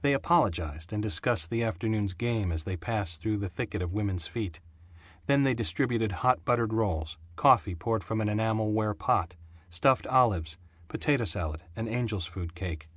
They apologized and discussed the afternoon's game as they passed through the thicket of women's feet. Then they distributed hot buttered rolls, coffee poured from an enamel ware pot, stuffed olives, potato salad, and angel's food cake.